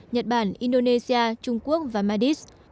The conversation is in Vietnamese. nhật bản indonesia trung quốc và maitreya